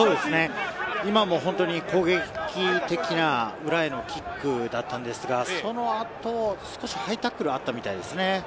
今も攻撃的な裏へのキックだったんですが、そのあとハイタックルがあったみたいですね。